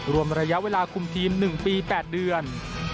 รวมระยะเวลาคุมทีม๑ปี๘เดือน